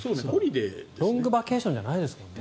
ロングバケーションじゃないですもんね。